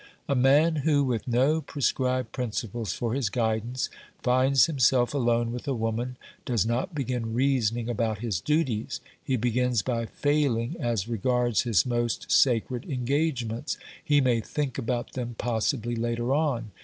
A man who, with no pre scribed principles for his guidance, finds himself alone with a woman does not begin reasoning about his duties ; he begins by failing as regards his most sacred engagements ; he may think about them possibly later on.